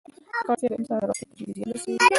ککړتیا د انسان روغتیا ته جدي زیان رسوي.